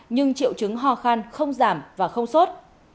nhưng triệu chứng ho khan không giảm và không sốt